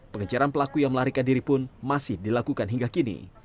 pengejaran pelaku yang melarikan diri pun masih dilakukan hingga kini